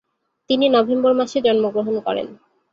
তিনি নভেম্বর মাসে জন্মগ্রহণ করেন।